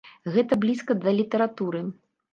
Гэта блізка да літаратуры.